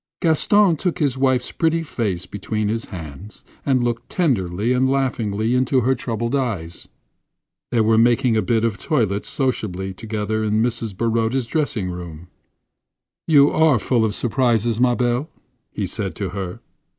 Gaston took his wife's pretty face between his hands and looked tenderly and laughingly into her troubled eyes. They were making a bit of toilet sociably together in Mrs. Baroda's dressing room. "You are full of surprises, ma belle," he said to her.